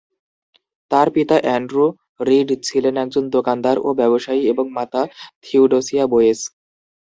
তার পিতা Andrew Reid ছিলেন একজন দোকানদার ও ব্যবসায়ী এবং মাতা থিওডোসিয়া বোয়েস।